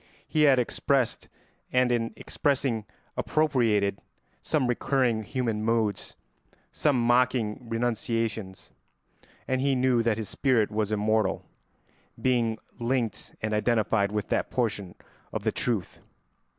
He had expressed, and in expressing appropriated, some recurring human moods, some mocking renunciations; and he knew that his spirit was immortal, being linked and identified with that portion of the truth.